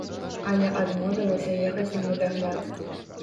Але адмовілася ехаць на медагляд.